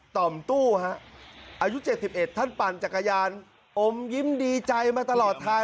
ด้วยความอารามดีใจนะ